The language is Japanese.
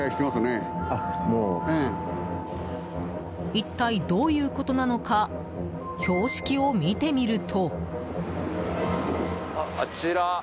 一体どういうことなのか標識を見てみると。